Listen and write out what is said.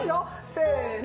せの！